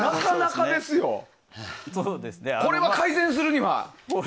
これは改善するには？